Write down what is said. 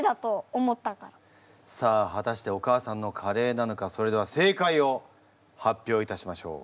さあ果たしてお母さんのカレーなのかそれでは正解を発表いたしましょう。